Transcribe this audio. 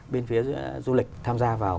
bên phía du lịch tham gia vào